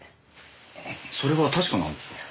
それは確かなんですか？